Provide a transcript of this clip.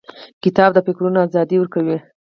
کتاب د فکرونو ازادي ورکوي.